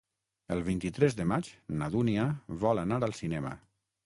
El vint-i-tres de maig na Dúnia vol anar al cinema.